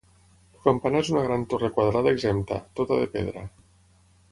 El campanar és una gran torre quadrada exempta, tota de pedra.